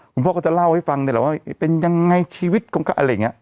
คุณพ่อก็จะเล่าให้ฟังนี่แหละว่าเป็นยังไงชีวิตคุณก็อะไรอย่างนี้